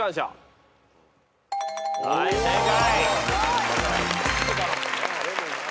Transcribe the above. はい正解。